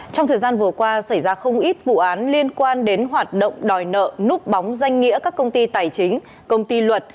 trong thời gian vừa qua xảy ra không ít vụ án liên quan đến hoạt động đòi nợ núp bóng danh nghĩa các công ty tài chính công ty luật